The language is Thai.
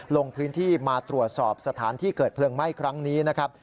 ลงพื้นที่มาตรวจสอบสถานที่เกิดเพลิงไหม้ครั้งนี้นะครับ